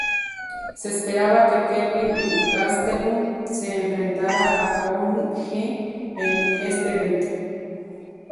Se esperaba que Kelvin Gastelum se enfrentara a Court McGee en este evento.